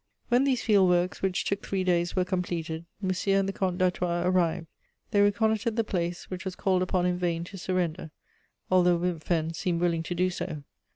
When these field works, which took three days, were completed, Monsieur and the Comte d'Artois arrived; they reconnoitred the place, which was called upon in vain to surrender, although Wimpfen seemed willing to do so.